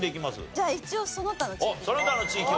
じゃあ一応その他の地域で。